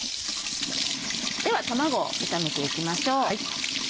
では卵を炒めていきましょう。